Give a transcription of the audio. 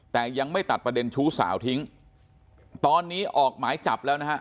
แต่ยังไม่ตัดประเด็นชู้สาวทิ้งตอนนี้ออกหมายจับแล้วนะฮะ